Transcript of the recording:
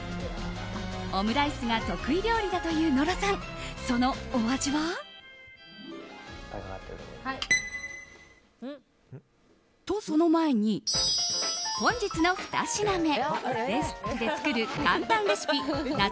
オムライスが得意料理だという野呂さん、そのお味は？と、その前に本日の２品目レンジで作る簡単レシピ夏